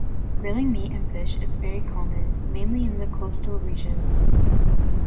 Grilling meat and fish is very common, mainly in the coastal regions.